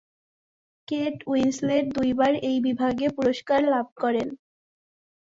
Kate Winslet দুইবার এই বিভাগে পুরস্কার লাভ করেন।